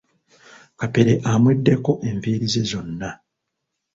Kapere amweddeko enviiri ze zonna.